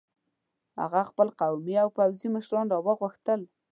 هغه خپل قومي او پوځي مشران را وغوښتل.